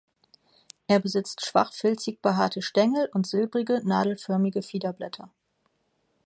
Er besitzt schwach filzig behaarte Stängel und silbrige, nadelförmige Fiederblätter.